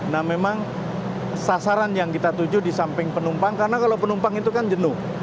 nah memang sasaran yang kita tuju di samping penumpang karena kalau penumpang itu kan jenuh